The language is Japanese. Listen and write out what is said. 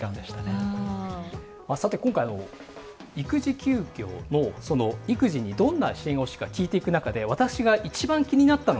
さて今回育児休業のその育児にどんな支援が欲しいか聞いていく中で私が一番気になったのがこれです。